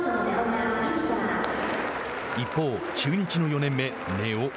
一方、中日の４年目根尾。